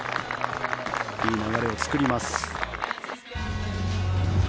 いい流れを作ります。